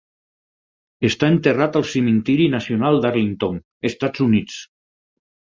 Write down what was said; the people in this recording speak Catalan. Està enterrat al cementiri nacional d'Arlington, Estats Units.